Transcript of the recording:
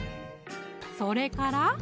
それから？